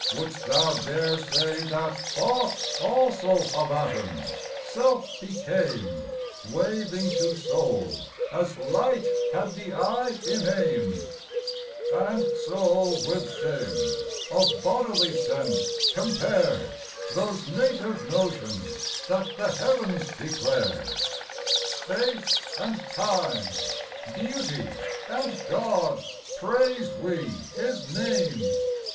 wouldst thou dare Say that Thought also of atoms self became, Waving to soul as light had the eye in aim; And so with things of bodily sense compare Those native notions that the heavens declare, Space and Time, Beauty and God Praise we his name!